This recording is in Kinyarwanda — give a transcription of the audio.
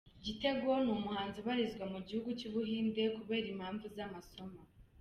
Gitego ni umuhanzi ubarizwa mu gihugu cy’ubuhinde kubera impamvu z’amasomo.